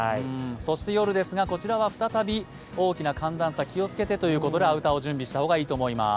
そして夜ですが、再び大きな寒暖差、気をつけてということでアウターを準備した方がいいと思います。